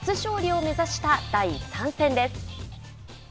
初勝利を目指した第３戦です。